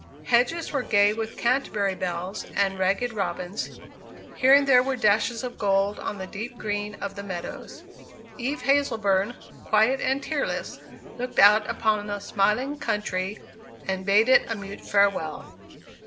Hedges were gay with Canterbury bells and ragged robins. Here and there were dashes of gold on the deep green of the woods. Eve Hazleburn, quiet and tearless, looked out upon the smiling country, and bade it a mute farewell.